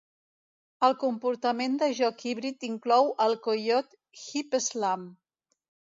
El comportament de joc híbrid inclou el coiot "hip-slam".